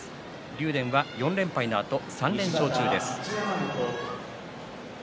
竜電は４連敗のあと３連勝中です。